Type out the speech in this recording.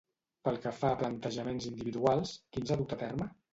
Pel que fa a plantejaments individuals, quins ha dut a terme?